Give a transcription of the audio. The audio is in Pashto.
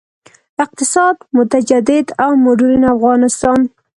اقتصاد، متجدد او مډرن افغانستان.